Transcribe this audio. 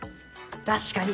確かに！